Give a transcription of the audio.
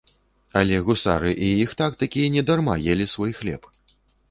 Але гусары і іх тактыкі недарма елі свой хлеб.